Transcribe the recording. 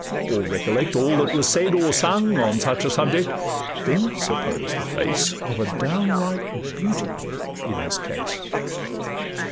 Or recollect all that was said or sung On such a subject; then suppose the face Of a young downright beauty in this case.